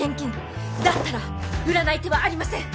だったら売らない手はありません！